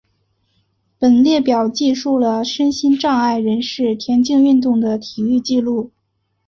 本列表记述了身心障碍人士田径运动的体育纪录。